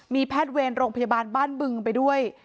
มีแพทย์เวรโรงพยาบาลบ้านบึงไปด้วย